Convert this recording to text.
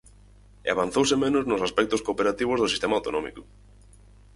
E avanzouse menos nos aspectos cooperativos do sistema autonómico.